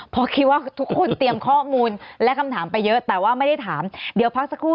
เพราะคิดว่าทุกคนเตรียมข้อมูลและคำถามไปเยอะแต่ว่าไม่ได้ถามเดี๋ยวพักสักครู่